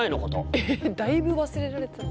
えっだいぶ忘れられてたんだ。